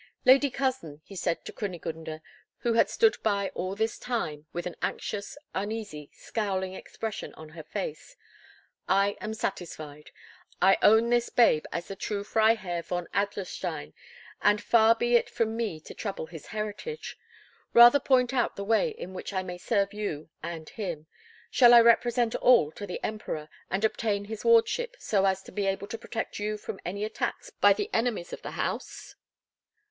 "Lady cousin," he said to Kunigunde, who had stood by all this time with an anxious, uneasy, scowling expression on her face, "I am satisfied. I own this babe as the true Freiherr von Adlerstein, and far be it from me to trouble his heritage. Rather point out the way in which I may serve you and him. Shall I represent all to the Emperor, and obtain his wardship, so as to be able to protect you from any attacks by the enemies of the house?"